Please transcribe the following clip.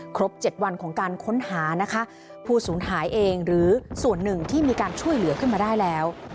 ครบ๗วันของการค้นหานะคะผู้สูญหายเองหรือส่วนหนึ่งที่มีการช่วยเหลือขึ้นมาได้แล้ว